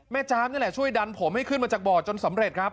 จ๊าบนี่แหละช่วยดันผมให้ขึ้นมาจากบ่อจนสำเร็จครับ